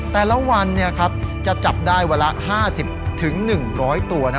แต่ละวันเนี่ยครับจะจับได้วันละห้าสิบถึงหนึ่งร้อยตัวนะ